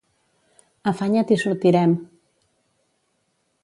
Afanya't i sortirem.